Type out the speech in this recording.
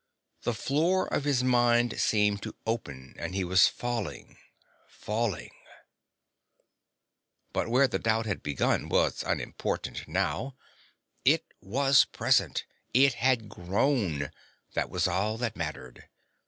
The floor of his mind seemed to open and he was falling, falling.... But where the doubt had begun was unimportant now. It was present, it had grown; that was all that mattered.